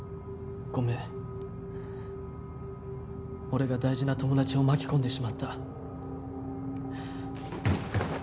俺が大事な友達を巻き込んでしまった。